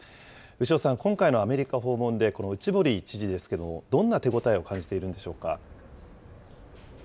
潮さん、今回のアメリカ訪問で、内堀知事ですけれども、どんな手応えを感じているんでしょうか。